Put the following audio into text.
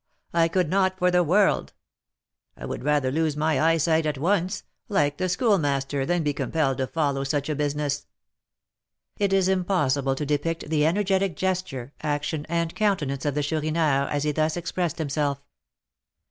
I could not for the world. I would rather lose my eyesight at once, like the Schoolmaster, than be compelled to follow such a business." It is impossible to depict the energetic gesture, action, and countenance of the Chourineur, as he thus expressed himself.